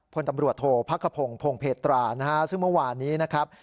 พลตำรวจโทษพักขพงศ์พงเพตรานะฮะซึ่งเมื่อวานนี้นะครับ